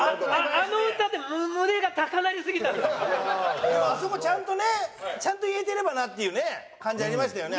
あの歌であそこちゃんとねちゃんと言えてればなっていうね感じありましたよね。